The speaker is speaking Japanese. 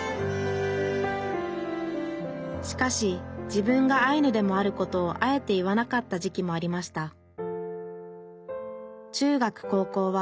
しかし自分がアイヌでもあることをあえて言わなかった時期もありました。